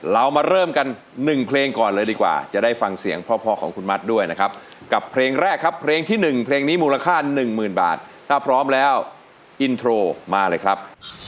เรามาเริ่มกัน๑เพลงก่อนเลยดีกว่าจะได้ฟังเสียงพ่อของคุณมัดด้วยนะครับกับเพลงแรกครับเพลงที่๑เพลงนี้มูลค่าหนึ่งหมื่นบาทถ้าพร้อมแล้วอินโทรมาเลยครับ